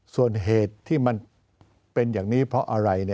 ส่วนเหตุที่มันเป็นอย่างนี้เพราะอะไร